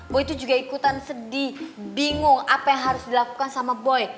boy itu juga ikutan sedih bingung apa yang harus dilakukan sama boy